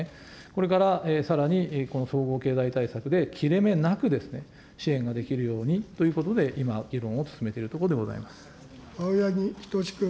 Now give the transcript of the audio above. これからさらにこの総合経済対策で切れ目なく、支援ができるようにということで今、議論を進めているところでご青柳仁士君。